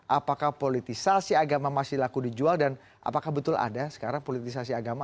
apakah politisasi agama masih laku dijual dan apakah betul ada sekarang politisasi agama